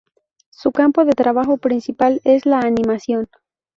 Su campo de trabajo principal es la animación.